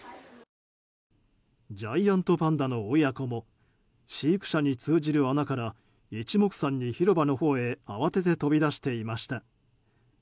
ジャイアントパンダの親子も飼育舎に通じる穴から一目散に広場のほうへ慌てて飛び出していました。